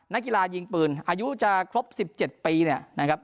นักกีฬายิงปืนอายุจะครบ๑๗ปีเนี่ยนะครับ